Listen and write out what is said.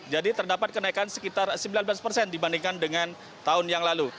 jadi terdapat kenaikan sekitar sembilan belas persen dibandingkan dengan tahun yang lalu